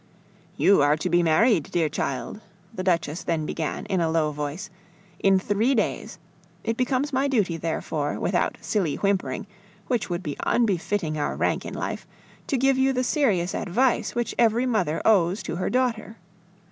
"You are to be married, dear child," the Duchess then began in a low voice, "in three days. It becomes my duty, therefore, without silly whimpering, which would be unfitting our rank in life, to give you the serious advice which every mother owes to her daughter.